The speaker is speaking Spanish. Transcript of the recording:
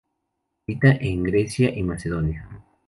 Habita en Grecia y Macedonia.